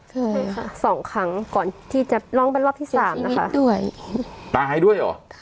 ใช่ค่ะสองครั้งก่อนที่จะร้องเป็นรอบที่สามนะคะด้วยตายด้วยเหรอ